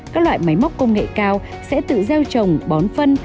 các loại máy móc công nghệ cao sẽ tự gieo trồng bón phân